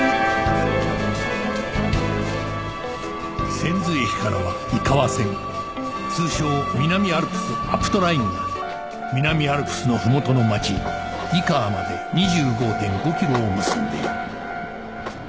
千頭駅からは井川線通称南アルプスあぷとラインが南アルプスの麓の町井川まで ２５．５ キロを結んでいる